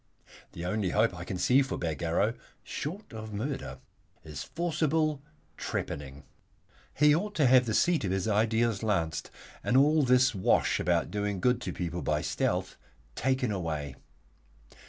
The only hope I can see for Bagarrow, short of murder, is forcible trepanning. He ought to have the seat of his ideals lanced, and all this wash about doing good to people by stealth taken away.